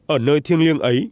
ở nơi thiêng liêng ấy